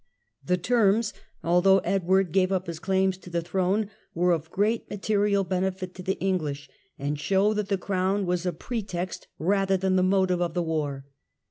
The terms, although Edward gave up his claim to the throne, were of great material benefit to the English, and show that the Crown was a pretext rather than the motive of the war.